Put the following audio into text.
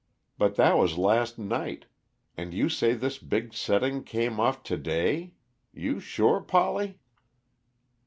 But that was last night, and you say this big setting came off to day; you sure, Polly?"